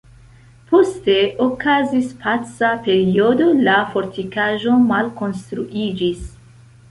Poste okazis paca periodo, la fortikaĵo malkonstruiĝis.